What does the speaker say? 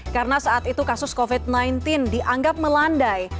karena saat itu kasus covid sembilan belas dianggap melandai